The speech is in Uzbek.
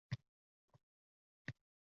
Yigirma oltiga besh — o‘ttiz bi